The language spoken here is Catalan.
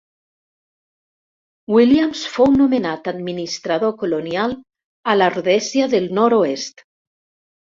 Williams fou nomenat administrador colonial a la Rhodèsia del Nord-oest.